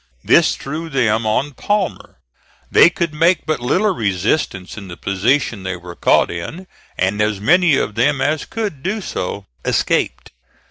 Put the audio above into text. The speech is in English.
This threw them on Palmer. They could make but little resistance in the position they were caught in, and as many of them as could do so escaped.